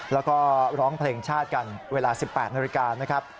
แล้วก็ร้องเพลงชาติกันเวลา๑๘นาฬิกานะครับ